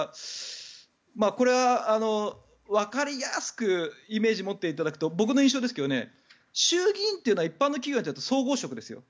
これは、わかりやすくイメージを持っていただくと僕の印象ですが衆議院というのは一般の企業でいうと総合職ですよ。